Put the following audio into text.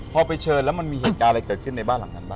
พอไปเชิญแล้วมันมีเหตุการณ์อะไรเกิดขึ้นในบ้านหลังนั้นบ้าง